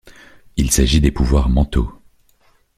Il s'agit des pouvoirs mentaux.